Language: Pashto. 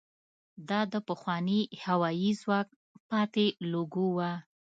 دا د پخواني هوايي ځواک پاتې لوګو وه.